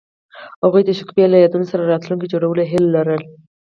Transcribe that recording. هغوی د شګوفه له یادونو سره راتلونکی جوړولو هیله لرله.